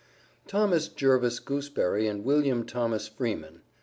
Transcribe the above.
Thomas Jervis Gooseberry and William Thomas Freeman.